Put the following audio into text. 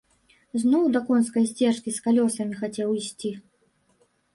Зноў да конскай сцежкі з калёсамі хацеў ісці.